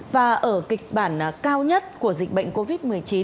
và ở kịch bản cao nhất của dịch bệnh covid một mươi chín